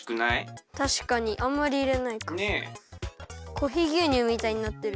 コーヒーぎゅうにゅうみたいになってる。